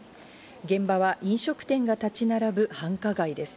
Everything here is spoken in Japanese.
現場は飲食店が立ち並ぶ繁華街です。